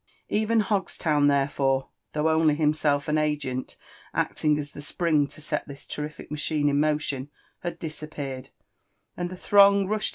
Kven Hogstown, therefore, though only himself an agent acting as the spring lo set this terrific machine in motion, had disappeared ; and the throng rushed